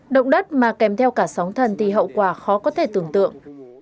động đất mà kèm theo cả sóng thần thì hậu quả khó có thể tưởng tượng